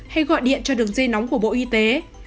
hay gọi điện cho đường dây nóng của bộ y tế